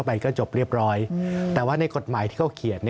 ไปก็จบเรียบร้อยแต่ว่าในกฎหมายที่เขาเขียน